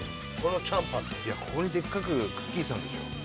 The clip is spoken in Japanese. いやここにでっかくくっきー！さんでしょ。